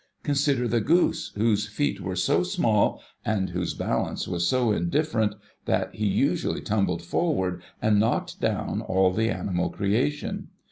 Consider the goose, whose feet were so small, and whose balance was so indifferent, that he usually tumbled forward, and knocked down all the animal creation.